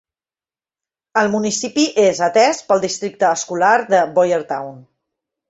El municipi és atès pel Districte Escolar de Boyertown.